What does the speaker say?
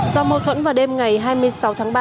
do mâu thuẫn vào đêm ngày hai mươi sáu tháng ba